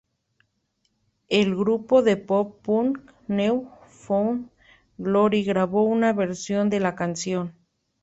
El grupo de pop "punk" New Found Glory, grabó una versión de la canción.